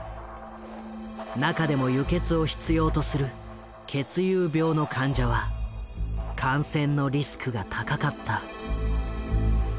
中でも輸血を必要とする血友病の患者は感染のリスクが高かった。